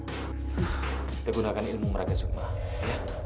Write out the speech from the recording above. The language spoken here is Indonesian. kita gunakan ilmu meragai sukma ya